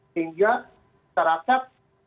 sehingga syarikat bisa mendapatkan akses yang pasti